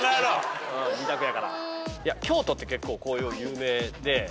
京都って結構紅葉有名で。